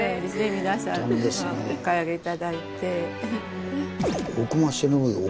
皆さんお買い上げ頂いて。